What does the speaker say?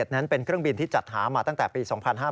นั้นเป็นเครื่องบินที่จัดหามาตั้งแต่ปี๒๕๕๙